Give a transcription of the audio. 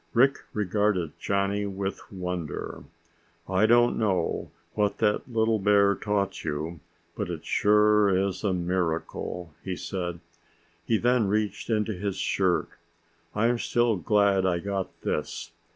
Rick regarded Johnny with wonder. "I don't know what that little bear taught you, but it sure is a miracle," he said. He then reached into his shirt. "I'm still glad I got this.